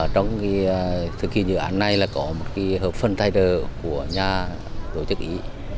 trong thực hiện dự án này có một hợp phân tài trợ của nhà tổ chức ý